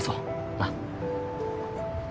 なっ？